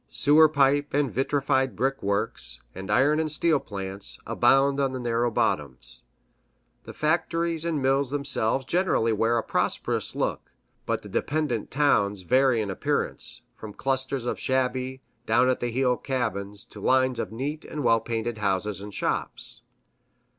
Sewer pipe and vitrified brick works, and iron and steel plants, abound on the narrow bottoms. The factories and mills themselves generally wear a prosperous look; but the dependent towns vary in appearance, from clusters of shabby, down at the heel cabins, to lines of neat and well painted houses and shops.